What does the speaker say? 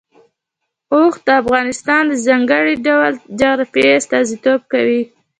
اوښ د افغانستان د ځانګړي ډول جغرافیه استازیتوب کوي.